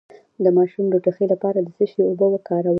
د ماشوم د ټوخي لپاره د څه شي اوبه وکاروم؟